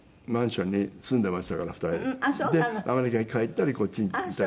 でアメリカに帰ったりこっちに来たりして。